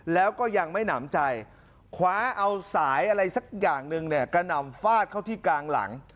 แล้วก็ยังไม่หนำใจคว้าเอาสายอะไรสักอย่างหนึ่งเนี่ยกระหน่ำฟาดเข้าที่กลางหลัง